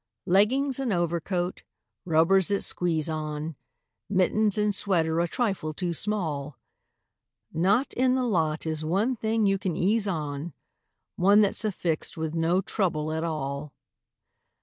Leggings and overcoat, rubbers that squeeze on, Mittens and sweater a trifle too small; Not in the lot is one thing you can ease on, One that's affixed with no trouble at all.